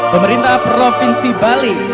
pemerintah provinsi bali